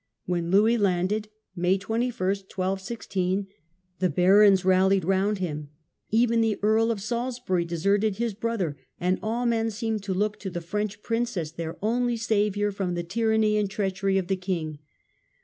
When Louis landed. May 21, 12 16, the barons rallied round him; even the Earl of Salisbury deserted his brother, and all men seemed to look to the French prince as their only saviour from the tyranny and treachery of the king.